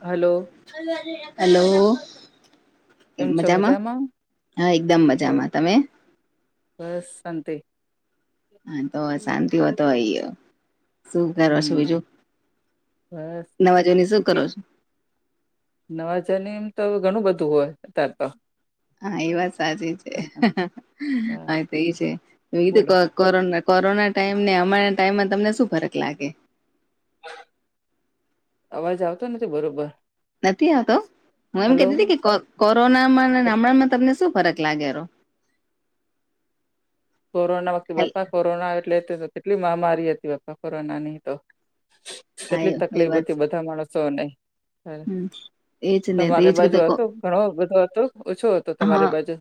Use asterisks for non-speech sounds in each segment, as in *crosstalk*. Hello hello કેમ છો મજામાં હા એકદમ મજામાં તમે બસંત હા તો શાંતિ હોતો આય શું કરો છો હમ બીજું બસ નવાજોની શું કરો છો નવાજારની એમ તો ઘણું બધું હોય ત તો હા એ વાત સાચી છે હા, હા, હવે તો એ છે બોલો તોું કક કો કોરોના ટાઈમ ને અમારા ટાઈમમાં તમને શું ફરક લાગે અવાજ આવતો નથી બરોબર નથી આવતો હું એમ હલો કતી હતી કે કોરોનામાં નામમાં તમને શું ફરક લાગે કોરોના વખતે હેલ પપ્પા કોરોના એટલે કેટલી મહામારી હતી પપ્પા કોરોનાની તો હા કેટલી એ એ તકલીફ વાત હતી બધા માણસોને હ હમ એજ ને તો એજ તમારી બાજુ કીધું કો હતું ઘણો બધો હતો ઓછું હતો તમારી હા બાજુ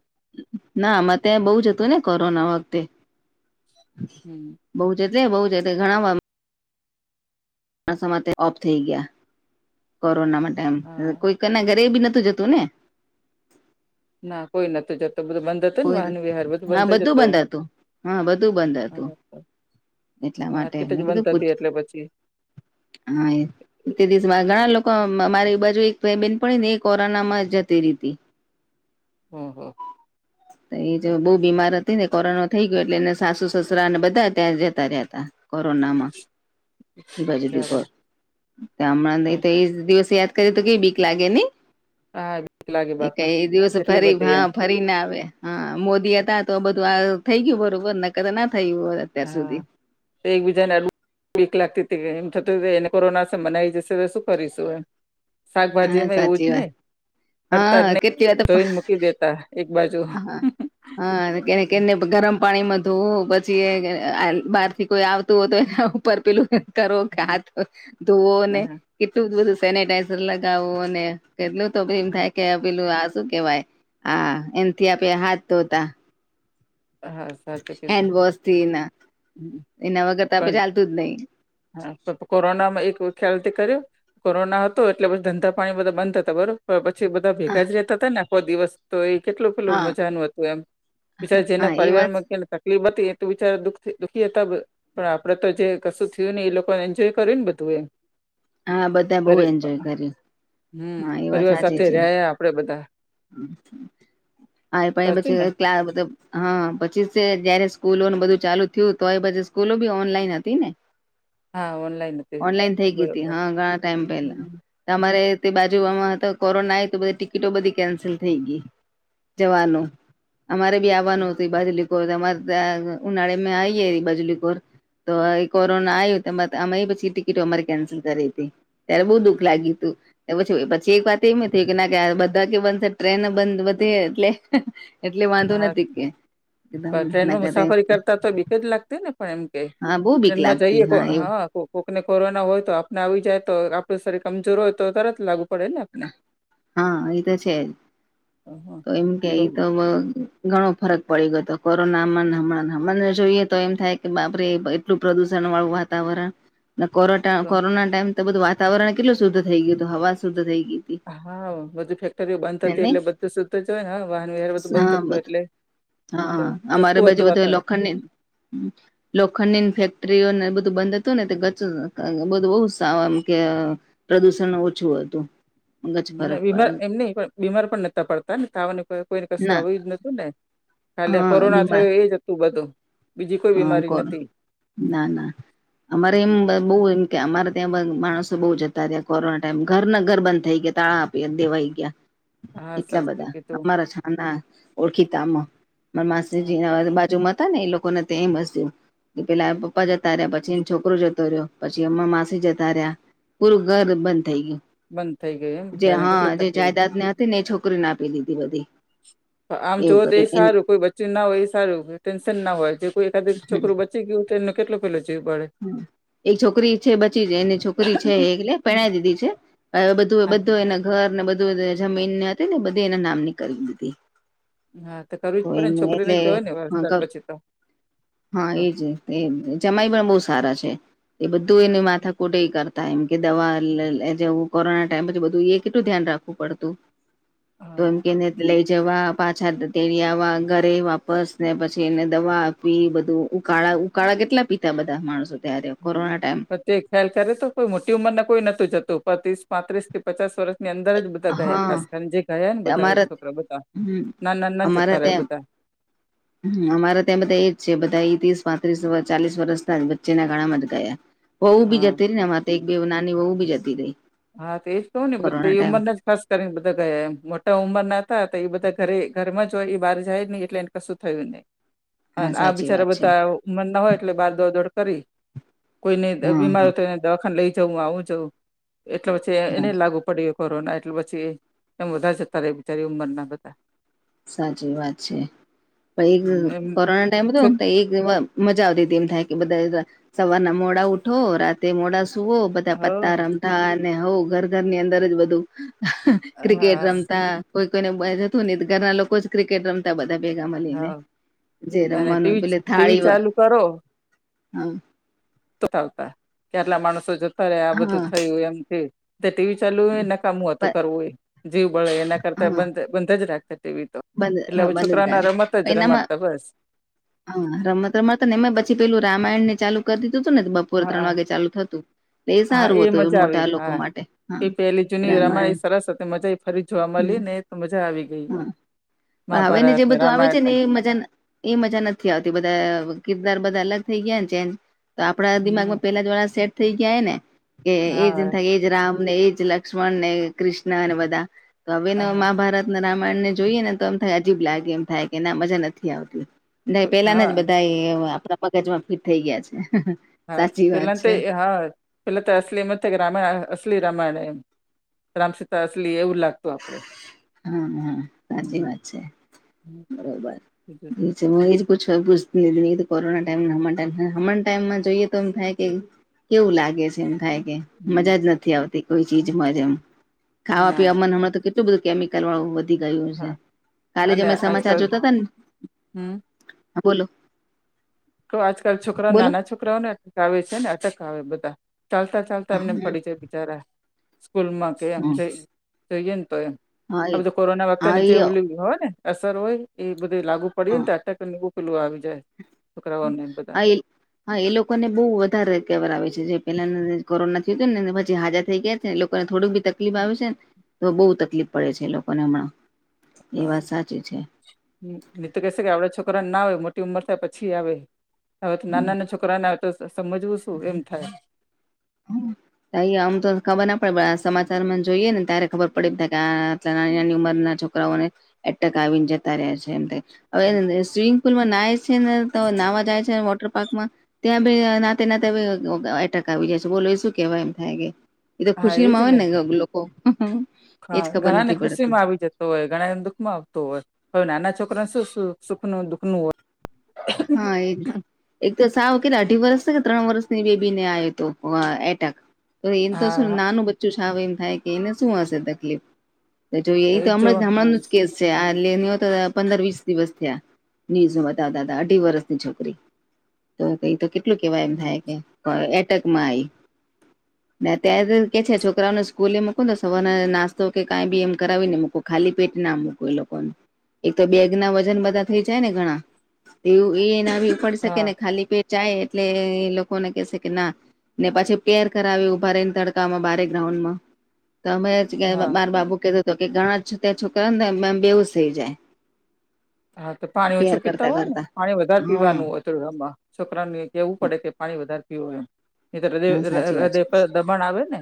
ના આમાં ત્યાં બહુ જ હતું ને કોરોના વખતે હમ બઉ જ એટલે બઉુ જ એટલે ઘણા માં ઓફ થઈ ગયા કોરોના ટાઈમ હા કોઈક ના ઘરે બી નતું જતું ને ના કોઈ નતુ, જતો બધું બ કોઈ હા બધું બંધ હતું હા બધું બંધ હતુ હા, એટલા માટે માર્કેટ જ મેં કીધું બંધ પૂછ, હતી એટલે પછી હા તે દિવસ ઘણા લોકો મારી બાજુ એક બેન પણ ને એ કોરોનામાં જતી રીતી હમ હ એ જો બહુ બીમાર હતી ને કોરોના થઇ ગયો એટલે એને સાસુ સસરા અને બધા ત્યાં જ હતા કોરોના માં હ બાજુ બરા બીકર તમ દિવસત તો કઈ બીક લાગે હા બીક લાગે ક બાપા દિવસ કેટલી ફરી બધી એમ હા ફરી કરી આવે હા મોદી હતા તો બધું આ થઈ ગયું બરોબર કા ના થયું હોય, અતાર સુધી તો એકબીજાને એ વીક લાગતી હતી એમ થતું એને કોરોના બનાઈ જશે તો શું કરીશું એમ હા શાકભાજીમાં એવું સાચી જ ને વાત હા અડતારને કેટલી વાર તો ધોઈને મૂકી દેતા એક બાજુ હા હા કે કેને ગરમ પાણીમાં ધોવું પછી બહાર થી કોઈ આવતું હોય, તો એ પરપેલું કરો કે હાથ ધોવો ને હા કેટલું બધું સેનેટાઈઝર લગાવો અને કેટલું તો ભ એમ થાય હા કે પેલું આ શું કેવાય હ એમથી આપે હાથ, ધતા હા હેન્ડ વાશથી ના હમ એના વ કરતા પણ ચાલતું જ, ન હા કોરોનામાં એક ખ્યાલથી કર્યું કોરોના હતો એટલે બછ ધંધા પાણી બધા બંધ હતા બરોબર પછી, બધા ભેગા જ રહેતા હતાને આખો દિવસ તો એ કેટલું પેલું હા મજાનું હતું એમ બજા, જેના હા એ વાત પરિવારમાં તકલીફ હતી તો બચારા દુખ દુખીે, તબ પણ આપડે તો જે કશું થયું ને એ લોકો એન્જોય કર્યું ને બધું એ હા બધા બઉુ એન્જોય કરી હમ પરિવાર સાથે રહ્યા આપડે બધા આય પાાય બચે સાચું ને ક્ મબ હા પછી જયારે સ્કૂલો બધું ચાલુ થયું તો એ સ્કૂલો બી ઓનલાઈન હતી ને હા ઓનલાઈન હતી ઓનલાઈન થઈ ગય હતી બરોબર હા ઘણા ટાઈમ પેલા હમ તમારે તે બાજુમાં કોરોના આ તો બધી ટિકિટો બધી કેન્સલ થઈ ગઈ જવાનુ અમારે બી આવવાનું હતુ, બાજલીખોર અમારે ત્યા ઉનાળે આ બાજલીખોર તો કોરોના આવ અમે પછી ટિકિટો અમારી કેન્સલ કરી હતી. ત્યારે બહુ દુઃખ લાગ્યું તુ પછી પછી એક વાત એમ થ કે ના કે બધા કે બંધ છે, ટ્રેન બંધ વધી એટલે એટલે વાંધો હા નથી કે એકદમ પણ ના ટ્રેનમાં મુસાફરી કરતા તો બીક જ લાગતી ને પણ એમ હા બહુ બીક ટ્રેનમાં લાગતી જઈએ એ હા કોકને કોરોના હોય તો આપને આવી જાય તો આપડું શરીર કમજોર હોય, તો તરત લાગુ પડે ને આપને હા એ તો છેજ, તો એમ કે ઈ તો ઘણો ફરક પડી ગયો હતો કોરોનામાં હમણાં હમને જોઈએ તો એમ થાય કે બા એટલું પ્રદુષણ વાળું, વાતાવરણ કો કોરોના ટાઈમ તો બધું વાવરણ કેટલુંુધ્ધ થઈ ગયું હવાુદ્ધ થઈ ગયો. હા બધું ફેક્ટરીઓ બંધ હે થતી નહી એટલે બધું સુ્ધ જ હોય, ને વાહન વ્યવાર બધું બંધ હા થતું બધ એટલે તો હા ચોખ્ખું હતું વાણ હમ લોખંડ ફેક્ટરીઓને બધું બંધ હતું ને ગ બધું બહમ કે પ્રદુષણ ઓછું હતુ મ વિમર એમ ન પણ બીમાર પણ નહતા પડતા ને તવા કોઈને કશું ના આવ્યું જ નતું ને ખાલી હા કોરોના થયો બીમાર એ જ તું બધ હા, કોણ ના ના અમારે એમ હમ, બસ બહ એમ કે અમારા ત્યાં માણસો બહુ જતા ત્યાં કોરોના ટાઈમ ઘર ના ઘર બંધ થઈ ગયા તાળા દેવાઈ ગયા હા એટલા સાચું બધા કીધું અમારા છ. ઓળખીતામાં હા માસીજી બાજુમાં હતા ને એ લોકોને તે હસ્યું કે પેલા પપ્પા જતા રહ્યા પછી એ છોકરો જતો રહ્યો પછી અમ્ માસી જતા રહ્યા પૂરું ઘર બંધ થઈ બંધ થઈ ગઈ એમ ગયું જે બિચારાને કેટલી હા જે તકલીફ જાાયદાદ ને હા. હતી ને એ છોકરીને આપી દીધી બધી આમ એવું જોવો તો એ કર્યું સારું કોઈ બચ્ચું ના હોય એ સારું ટેન્શન ના હોય જે કોઈ એકાધ છોકરું ી ગયું તો એનો કેટલોેલો જીવ પાડે એ છોકરી છે બચી જ એને છોકરી છે એટલે પેણ દીધી છે હ બધું હા બધું એના ઘર ને બધું જમીનને હતી ને બધી એના નામ નીક દીધી હા તો કરવું જ પડે ને એમનું છોકરી ને એટલે જય ને વરસાદ પછી તો હા તો એજ જમાય પણ બહુ સારા છે એ બધું એને માથા કોટે કરતા ટમ કે દવા જેવું કોરોના ટાઈમ પછી બધું એ કેટલું ધ્યાન રાખવું પડતું તો હા એમ કેને લઈ જવા પાછા તેળ આવવા ઘરે વાપસ ને પછી એને દવા આપી બધું ઉકાળા કાળા કેટલા પીતા બધા માણસો ત્યારે હમ કોરોના ટાઈમ પ તે ખ્યાલ કરે તો કોઈ મોટી ઉંમર ને કોઈ નોતું જતું પત્રીસ પાંત્રીસ થી પચાસ વર્ષની અંદર જ બધા ગયા હા ખાસ કારને જે ગયા ને બધા એ અમારે છોકરા બધા હમ ના ના ના જતારે એ બધા અમારે ત્યાં બધા એજ છે બધા એ ત્રીસ પાંત્રીસ ચાલીસ વર્ષના જ વચ્ચેના ગણામાં જ ગયા વહુ બી હા જતી રહી તો નેમાં એક બે નાની વહુ બી જતી રહી હા તો એજ તો ને કોરોના બધા ટાઈમ ઉંમર કરીને બધા ગયા એમ મોટા ઉંમર ના હતા તો એ બધા ઘરે ઘરમાં જોય એ બહાર જાય નહી એટલે એને કશું થયું નહ હા અને આ સાચી બિચારા વાત છે બધા ઉમર ના હોય એટલે બાર દોડ દોડ કરી કોઈને હા બીમાર હો હા તો એને દવાખાને લઈ જવું આવું જઉું એટલે પછી હા એને લાગુ પડ કોરોના એટલે પછી એમ બધા જતા રહે બિચારી ઉંમર ના બધા સાચી વાત છે પણ એક એમ કોરોના ટાઈમ હતો છોક ને એક મજા આવતી હતી એમ થાય કે બધા સવારના મોડા ઉઠો રાતે મોડા ુ હ બધા પત્તા રમતા અને હોઉ ઘર ઘરની અંદર જ બધું ક્રિકેટ હા રમતા કોઈ કોઈને જતું નહી ઘરના લોકો જ ક્રિકેટ રમતા બધા ભેગા મળીને હા જે અને રમવાનું ટીવી પેલે ટીવી થાળી ચાલુ કરો હ આવતા કેટલા માણસો જતા રહે આ બધું હા થયું એમથી ટીવી ચાલુ હોય ન કામું હતું કરવું હોય જીવ બળે એના કરતા બ હા બંધ જ રાખશે ટીવી તો બંધ એટલે હા હવે બંધ છોકરાને આ રાખ રમતા જ એનામાં રમાતતા બસ હા રમત રમ મળતતા ને એ પછી પેલું રામાયણ ને ચાલુ કરી દીધું હતું ને બપોર ત્રણ હા વાગે ચાલુ થતું હા એ સારું હતું મજા આવી મોટા લોકો હા માટે હા એ પેલી જૂની રમાઈ રામાયણ સરસ હતી મજા એ ફરી જોવા હમ મળી ને એ તો મજા આવી ગઈ એમ હા પણ હવે ને મહાભારત જે બધું આવે છે રામાયણ ને એ મજા એ મજા નથી આવતી બધા કિરદાર બધા અલગ થઈ ગયા ને છે એમ તો આપડા હમ દિમાગમાં પેલા દ્વારા સેટ થઈ ગયા ને કે એ જ હા થ રામ ને એજ લક્ષ્મણ ને કૃષ્ણ અને બધા તો હવે હા મહાભારત ના રામાયણ ને જોઈએ ને તો એમ થાય અજીબ લાગે એમ થાય કે ના મજા નથી આવતી ના પેલા ને જ હા બધા આપણા પગજમાં ફિટ થઈ ગયા છે હા સાચી વાત પહેલા તે છે હા પહેલા તો અસલી મ કે રમાણ અસલી રમાાયણ એમ રામસીતા અસલી એવું લાગતું આપડે હા હા સાચી હમ વાત છે હમ બરોબર બીજું- મુ ઇજ પુછવા પુછતી થી કોરોના ટાઈ ટાઈમ ટાઈમાં જોઈએ તો એમ થાય કે કેવું લાગે છે એમ થાય કે હમ, મજા જ નથી આવતી કોઈ ચીજમાંજમ ખાવા ના પીવાવામાં હમણાં તો કેટલું બધું કેમિકલ વાળું ગયું છે હા કાલે જ અને અમે સમાચાર આજકાલ જોતા હતા હમ ને બોલો તો આજકાલ છોકરા બોલો નાના છોકરાઓનેટ આવે છે ને અટક આવે બધા ચાલતા ચાલતા હા એમને એ પડી જાય બિચારા સ્કૂલમાં કે એમ જ હા જોઈએ ને તો એમ આ એ બધું કોરોના વતેને જે ઓલી હોય ને અસર હોય એ બધે લાગુ પડીે ને આટકનેવું કિલોું આવી જાય છોકરાઓને બધા અઇલ હા એ લોકોને બહુ વધારે કેવરાવે છે જે પેલા કોરોના થયું હતું ને પછી હાજર થઈ ગયા. લોકોને થોડું બી તકલીફ આવે છે ને તો બહુ તકલીફ પડે છે લોકોને હમણાં એ વાત સાચી છે. નિ તો કેશે કે આવડા છોકરા ના આવે મોટી ઉંમર થાય પછી આવે હ તો નાના નાના છોકરા છોકરા ના આવે તો સમજવું શું એમ થાય હમ ત આમ તો ખબર ના પડે પણ આ સમાચારમાં જોઈએ ને ત્યારે ખબર પડીે કે આ નાની નાની ઉંમર ના છોકરાઓને એટક આવીને જતા રહ્યા છે એમ હવે સ્વિમિંગ પુલમાં નાય છે ને તો નાહવા જાય છે વોટર પાર્કમાં ત્યાં ભી નાતે નાતે એટક આવી જાય છે બોલો શું કેવાય એમ થાય કે એતો હા ખુશી એજ માં હોય ને લોકો એજ ખબર નથી પડતી તો ઘણા એ દુખમાં આવતું હોય તો નાના છોકરાને શું સુ સુખનું દુખનું હોય હા એ એક તો સાવ કેટલા અઢી વર્ષ ને કે ત્રણ વર્ષની બેબી ને આવ તો એટેક તો એમ તો શું હા નાનું બચ્ચું શાવું એમ થાય કે એને શું હશે તકલીફ તો જોઈએ એ તો હમણાં હમણાંનું જ કેસ જો આ લેવી હા તા પંદર વીસ દિવસ થયા ન્યુઝું બતાવતા અઢી વર્ષની છોકરી તો કઈ તો કેટલું કેવાય એમ હમ થાય કે. પણ એટકમા આઈ ના અત્યારે કે છે છોકરાઓને સ્કૂલે એ મકોને સવાર નાસ્તો કે કાંઈ બી એમ કરાવીને મકો ખાલી પેટ ના મૂકું એ લોકોને એક તો બેગ ના વજન બધા થઈ જાય ને ઘણા એવું એના બ પડ શકે હા ને ખાલી પેટ ચાય એટલે એ લોકોને કેશે કે ના ને પછી પેર કરાવી ઉભા રને તડકામાં બારેક ગ્રાઉન્ડમાં તો અમે હા માર બાબો કેતો કે ઘણા ત્યાં છોકરાને ને બેહોશ થઈ જાય હા તો પાણી પ્યાર ઓછું પીતા કરતા હોય ને કરતા પાણી વધારે હમ પીવાનું હોય. છોકરાને કેવું પડે કે પાણી વધારે પીવુંય એ હા સાચી હદય વાત હદય છે દમણ આવે ને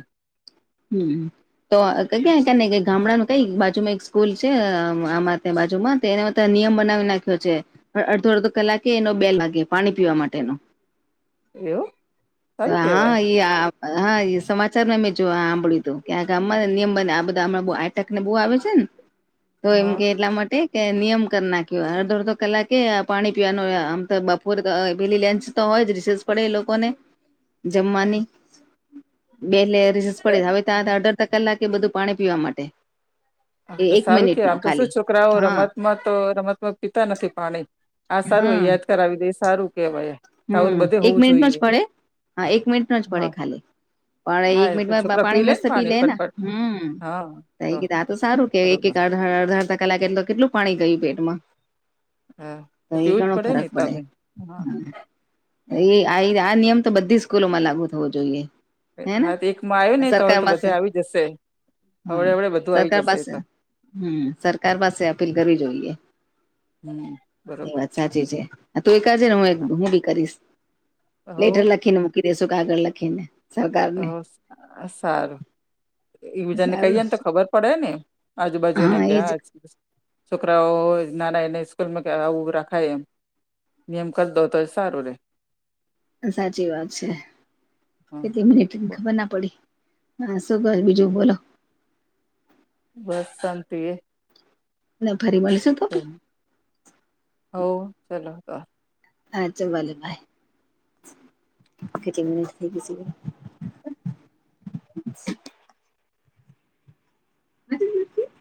હમ તો ક્યા કને ગામડાનું કઈ બાજુમાં એક સ્કૂલ છે આમાં ત્યાં બાજુમાં તે એમા નિયમ બનાવી નાખ્યો છે. અડધો અડધો કલાકે એનો બેલ લાગે પાણી પીવા માટેનો એવું સારું હા કેવાય એ હા સમાચાર મેમે જો આંબળી તો ક્યા આને નિયમ બને આ બધા હણાં એટકને બહુ આવે છે ને તો એમ હા કે એટલા માટે કે નિયમ કરી નાખ્યો હોય અડધો અડધો કલાકે પાણી પીવાનુંય આમ તો બપોરે પેલી લંચ તો હોય જ રિસેસ પડે એ લોકોને જમવાની બેલ ને રિસેસ પડે હવે ત્યાડર કલાકે બધું પાણી પીવા માટે હ એ તો એક સારું મિનિટ કે નો આમ તો શું ખાલી છોકરાઓ હા રમતમાં તો રમતમાં પીતા નથી પાણી. આ સારું યાદ કરાવી દે સારું કેવાય. આવું હમ્મ બધે એક હોવું મિનિટ નો જ જોઈએ પડે હા એક મિનિટ નો જ હા પડે ખાલી પણ હા એક એ તો મિનિટમાં છોકરા પાણી મસ્ત ને પી લે ને ફટફટ હમ્મ *unintelligible* એ તો સારું કે એક બરોબર એક અડધા અડધા કલાકે એ તો કેટલું પાણી ગયું પેટમાં હા તો એ પીવું જ ઘણો ફરક ને પડે. તમે હા એ આ નિયમ તો બધી સ્કૂલોમાં લાગુ થવો જોઈએ. હેને હા તો એકમાં આયો ને તો સરકાર બધા પાસે ને આવી જશે હા હવડે હવડે બધું આવી સરકાર જશે એ પાસે તો હમ સરકાર પાસે અપીલ કરવી જોઈએ. હમ એ બરોબર વાત સાચી છે તો એકાજે ને હું હા હું કરીશ હો લેટર લખીને મૂકી દેસુ કાગળ લખીને. સરકારને આ તો સારું એ બજાને સારું કહીયએ ને તો ખબર પડે ને. આજુબાજુને હા એજ કયા છોકરાઓ ના નાના એ સ્કૂલમાં રખાય એમ નનેમક દો ત જ સારું રહેે. સાચી વાત છે હ કેટ મિનિટ ખબર ના પડી. હા શું કર બીજું બોલો? બસ શાંતિ એ. ના ફરી મળીશું તોપી. હો ચાલો તો. હા ચો ભલે ભાય મ થઈ ગ *inaudible*